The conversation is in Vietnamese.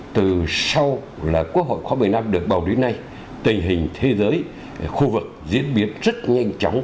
từ sau là quốc hội khóa một mươi năm được bầu đến nay tình hình thế giới khu vực diễn biến rất nhanh chóng